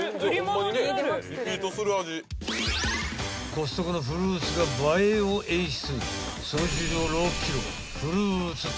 ［コストコのフルーツが映えを演出］